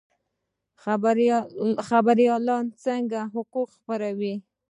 خبریالان څنګه حقایق خپروي؟